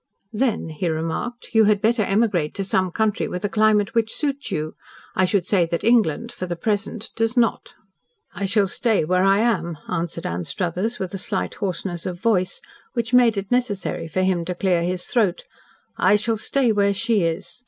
"Then," he remarked, "you had better emigrate to some country with a climate which suits you. I should say that England for the present does not." "I shall stay where I am," answered Anstruthers, with a slight hoarseness of voice, which made it necessary for him to clear his throat. "I shall stay where she is.